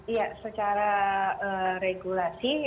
ya secara regulasi